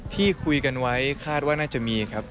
ที่คุยกันไว้คาดว่าน่าจะมีครับ